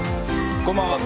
こんばんは。